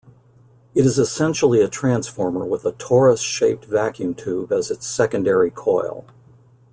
It is essentially a transformer with a torus-shaped vacuum tube as its secondary coil.